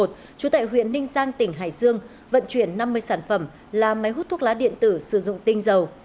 trú tại huyện ninh giang tỉnh hải dương vận chuyển năm mươi sản phẩm là máy hút thuốc lá điện tử sử dụng tinh dầu